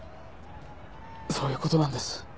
そういうことなんです。